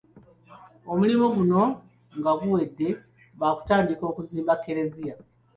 Omulimu guno nga guwedde baakutandika okuzimba ekkereziya.